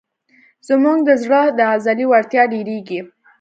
زموږ د زړه د عضلې وړتیا ډېرېږي.